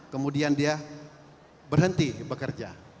kemudian dia berhenti bekerja